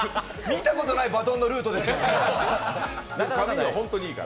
見たことないバトンのルートですよね。